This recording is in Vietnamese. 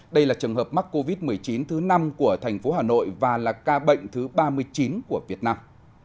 đây là trường hợp mắc covid một mươi chín thứ năm của thành phố hà nội và là ca bệnh thứ ba mươi chín của việt nam